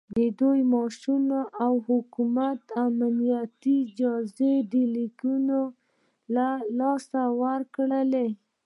دوی معاشونه او حکومتي امنیتي اجازه لیکونه له لاسه ورکړل